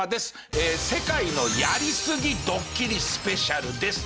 ええ世界のやりすぎドッキリスペシャルです。